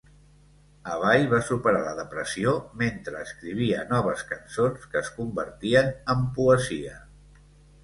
Abay va superar la depressió mentre escrivia noves cançons que es convertien en poesia.